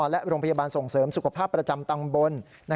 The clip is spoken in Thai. และโรงพยาบาลส่งเสริมสุขภาพประจำตำบล